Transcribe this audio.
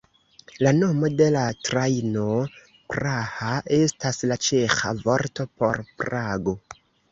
La nomo de la trajno, "Praha", estas la ĉeĥa vorto por Prago.